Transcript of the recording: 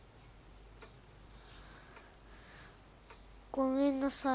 ごめんなさい。